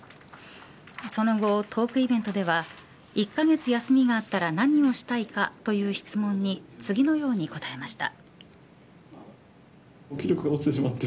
その後、トークイベントでは１カ月休みがあったら何をしたいかという質問に次のように答えました。